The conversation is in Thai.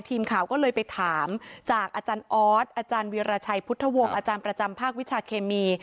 ทีมข่าวก็เลยไปถามจากอาจารย์ออสอาจารย์วิราชัยพุทธวงศ์อาจารย์ประจำภาควิชาเคมี